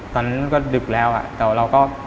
ตอนนั้นก็ดึกแล้วแต่เราก็